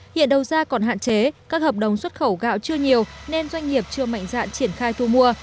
hiện đầu ra còn hạn chế các hợp đồng xuất khẩu gạo chưa nhiều nên doanh nghiệp chưa mạnh dạn triển khai thu mua